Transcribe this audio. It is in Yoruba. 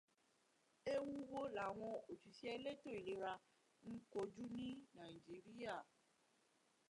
Ewu wo làwọn òṣìṣẹ́ elétò ìlèra ń kojú ní Nàìjíríà?